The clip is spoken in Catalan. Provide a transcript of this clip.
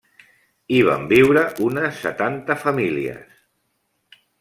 Hi van viure unes setanta famílies.